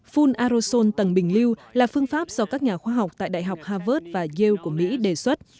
phun aroson tầng bình lưu là phương pháp do các nhà khoa học tại đại học harvard và ye của mỹ đề xuất